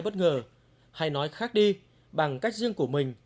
ở bất kỳ ngôi làng vùng cao nào